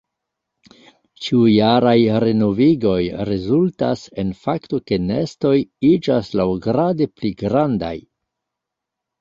Ĉiujaraj renovigoj rezultas en fakto ke nestoj iĝas laŭgrade pli grandaj.